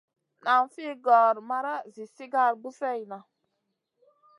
Nan fi gor mara zi sigar buseyna.